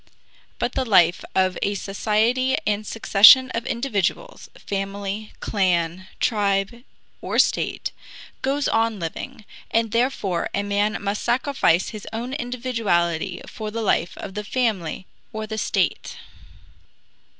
But the life of a society and succession of individuals, family, clan, tribe, or state, goes on living, and therefore a man must sacrifice his own individuality for the life of the family or the state.